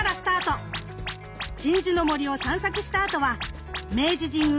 鎮守の森を散策したあとは明治神宮